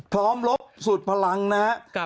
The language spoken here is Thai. พร้อมลบสุดพลังนะฮะ